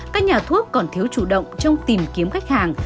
các nhà thuốc còn thiếu chủ động trong tìm kiếm khách hàng